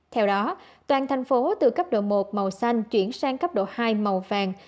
theo đó toàn thành phố từ cấp độ một màu xanh chuyển sang cấp độ hai màu vàng